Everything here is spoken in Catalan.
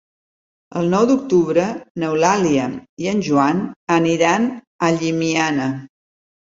El nou d'octubre n'Eulàlia i en Joan aniran a Llimiana.